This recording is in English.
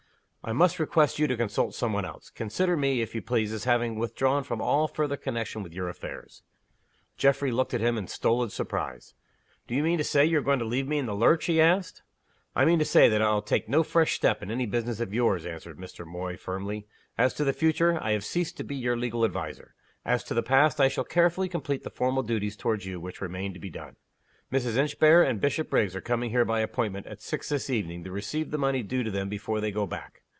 "I must request you to consult some one else. Consider me, if you please, as having withdrawn from all further connection with your affairs." Geoffrey looked at him in stolid surprise. "Do you mean to say you're going to leave me in the lurch?" he asked. "I mean to say that I will take no fresh step in any business of yours," answered Mr. Moy, firmly. "As to the future, I have ceased to be your legal adviser. As to the past, I shall carefully complete the formal duties toward you which remain to be done. Mrs. Inchbare and Bishopriggs are coming here by appointment, at six this evening, to receive the money due to them before they go back.